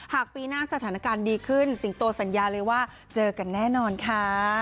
ปีหน้าสถานการณ์ดีขึ้นสิงโตสัญญาเลยว่าเจอกันแน่นอนค่ะ